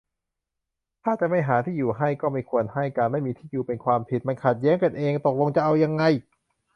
ถ้าจะไม่หาที่อยู่ให้ ก็ไม่ควรให้ การไม่มีที่อยู่ เป็นความผิด - มันขัดแย้งกันเอง ตกลงจะเอายังไง